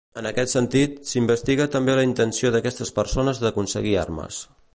En aquest sentit, s’investiga també la intenció d’aquestes persones d’aconseguir armes.